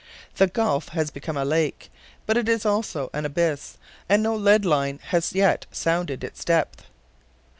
The gulf has become a lake, but it is also an abyss, and no lead line has yet sounded its depths.